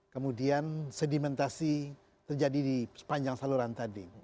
kemudian sedimentasi terjadi di sepanjang saluran tadi